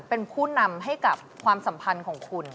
เป็นผู้นำให้กับความสัมพันธ์ของคุณ